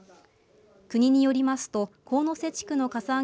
国によりますと神瀬地区のかさ上げ